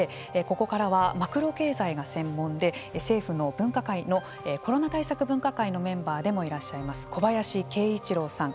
ここからはマクロ経済が専門で政府のコロナ対策分科会のメンバーでもいらっしゃる小林慶一郎さん。